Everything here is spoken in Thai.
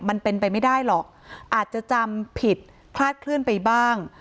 มันเป็นไปไม่ได้หรอกอาจจะจำผิดคลาดเคลื่อนไปบ้าง